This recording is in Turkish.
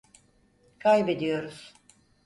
Kaybediyoruz.